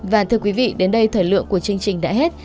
và thưa quý vị đến đây thời lượng của chương trình đã hết